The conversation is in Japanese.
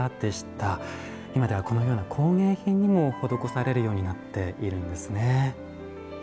今ではこのような工芸品にも施されるようになっているんですね。